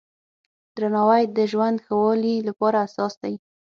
درناوی د ژوند ښه والي لپاره اساس دی.